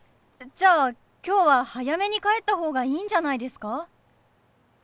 じゃあ今日は早めに帰った方がいいんじゃないですか？